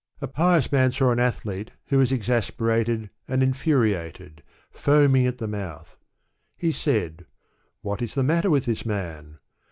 A pious man saw an athlete who was exasperated, and infuriated, foaming at the mouth. He said, ''What is the matter with this man?"